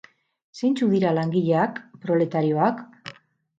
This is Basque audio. Zeintzuk dira langileak, proletarioak?